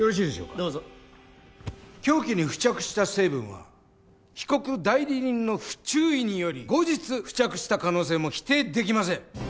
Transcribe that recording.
どうぞ凶器に付着した成分は被告代理人の不注意により後日付着した可能性も否定できません